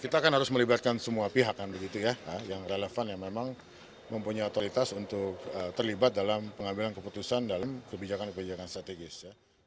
kita kan harus melibatkan semua pihak kan begitu ya yang relevan yang memang mempunyai otoritas untuk terlibat dalam pengambilan keputusan dalam kebijakan kebijakan strategis